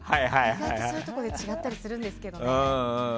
意外とそういうところで違ったりするんですけどね。